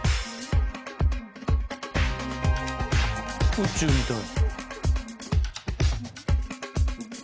「宇宙みたい」